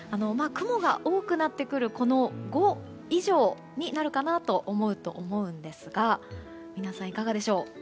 雲が多くなってくる５以上になるかなと思うと思うんですが皆さん、いかがでしょう。